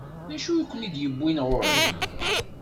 D acu i ken-id-iwwin ɣur-i?